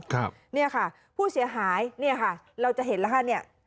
ครับเนี่ยค่ะผู้เสียหายเนี่ยค่ะเราจะเห็นแล้วค่ะเนี่ย